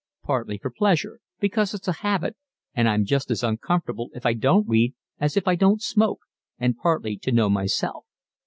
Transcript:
"Partly for pleasure, because it's a habit and I'm just as uncomfortable if I don't read as if I don't smoke, and partly to know myself.